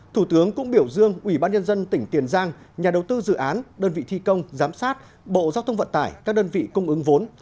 thủ tướng cũng biểu dương ủy ban nhân dân tỉnh tiền giang nhà đầu tư dự án đơn vị thi công giám sát bộ giao thông vận tải các đơn vị cung ứng vốn